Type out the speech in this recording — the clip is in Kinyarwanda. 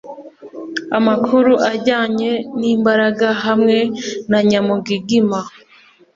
amakuru ajyanye n'imbaraga hamwe na nyamugigima